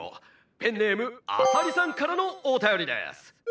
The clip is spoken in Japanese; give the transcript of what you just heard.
ペンネームアサリさんからのおたよりです。